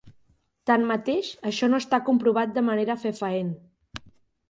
Tanmateix, això no està comprovat de manera fefaent.